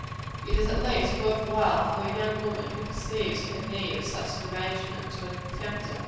It is at least worth while for a young woman who perceives her need of such an arrangement, to attempt it.